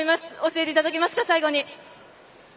教えていただけますか、最後に。